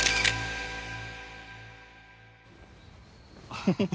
アハハ。